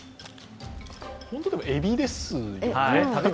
本当、えびですよね。